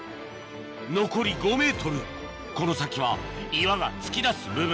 残り５ｍこの先は岩が突き出す部分